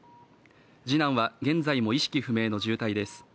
次男は現在も意識不明の重体です